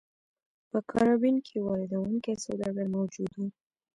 په کارابین کې واردوونکي سوداګر موجود وو.